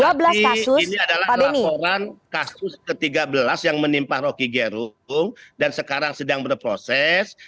tapi ini adalah laporan kasus ke tiga belas yang menimpa rocky gerung dan sekarang sedang berproses